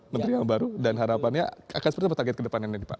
menteri yang baru dan harapannya akan seperti apa target ke depannya nih pak